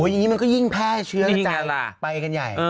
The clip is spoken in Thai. โอ้ยอย่างนี้มันก็ยิ่งแพร่เชื้อในใจไปกันใหญ่